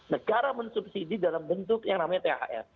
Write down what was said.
negara mensubsidi dalam bentuk yang namanya thr